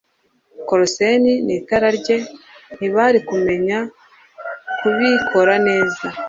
kerosene mu itara rye; ntibari kumenya kubikora neza